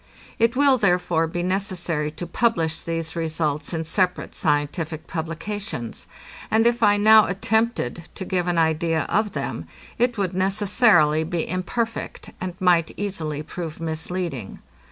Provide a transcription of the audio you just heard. It will, therefore, be necessary to publish these results in separate scientific publications; and if I now attempted to give an idea of them, it would necessarily be imperfect, and might easily prove misleading.